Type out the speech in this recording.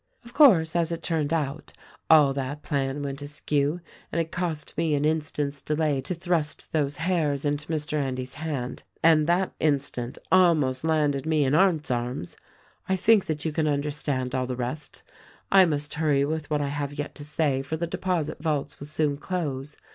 "Of course, as it turned out, all that plan went askew ; and it cost me an instant's delay to thrust those hairs into Mr. Endy's hand, and that instant almost landed me in Arndt's arms. "I think that you can understand all the rest. I must hurry with what I have yet to say for the deposit vaults will soon close.